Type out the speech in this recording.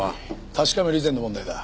確かめる以前の問題だ。